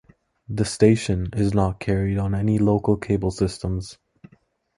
The station is not carried on any local cable systems.